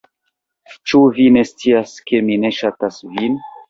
Ĉu vi ne scias, ke mi ne ŝatas vin?